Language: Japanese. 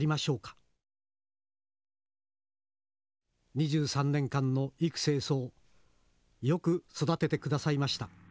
２３年間の幾星霜よく育てて下さいました。